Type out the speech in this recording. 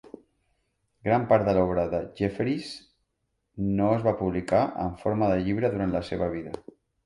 Gran part de l'obra de Jefferies no es va publicar en forma de llibre durant la seva vida.